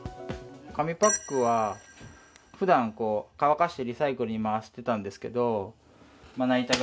紙パックはふだん、乾かしてリサイクルに回してたんですけどまな板